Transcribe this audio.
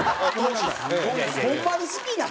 ホンマに好きなん？